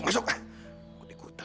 eh masuk sana masuk kamar